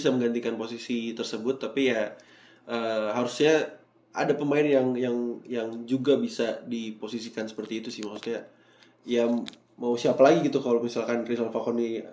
mungkin kita bergeser ke tim apa lagi nih